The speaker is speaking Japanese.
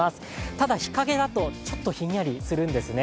ただ、日陰だとちょっとひんやりするんですね。